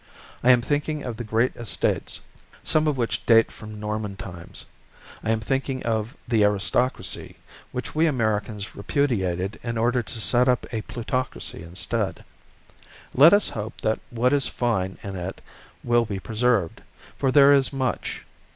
I am thinking of the great estates, some of which date from Norman times; I am thinking of the aristocracy, which we Americans repudiated in order to set up a plutocracy instead. Let us hope that what is fine in it will be preserved, for there is much.